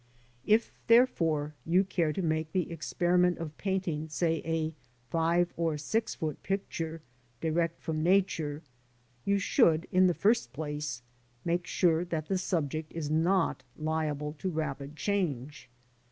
If, therefore, you care to make the experiment of painting, say a five or six foot picture, direct from Nature, you should, in the first place, make sure that the subject is not liable to rapid change.